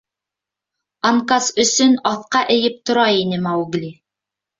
Анкас осон аҫҡа эйеп тора ине Маугли.